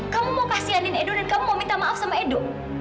kamu mau kasihanin edo dan kamu mau minta maaf sama edo